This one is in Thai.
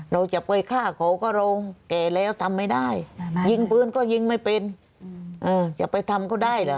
เราจะไปฆ่าเขาก็เราแก่แล้วทำไม่ได้ยิงปืนก็ยิงไม่เป็นจะไปทำก็ได้เหรอ